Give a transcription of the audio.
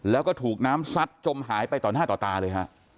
แล้วก็ถูกน้ำซัดจมหายไปต่อหน้าต่อตาเลยฮะ